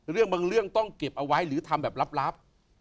เรื่องบางเรื่องต้องเก็บเอาไว้หรือทำแบบลับ